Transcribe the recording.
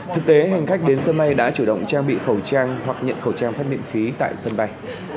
thực tế hành khách đến sân bay đã chủ động trang bị khẩu trang hoặc nhận khẩu trang phát miễn phí tại sân bay